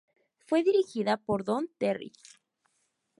Fue dirigida por Don Terry.